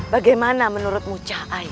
bagaimana menurutmu cah ayo